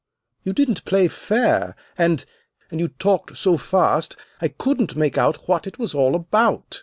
You didn't play fair and and you talked so fast I couldn't make out what it was all about.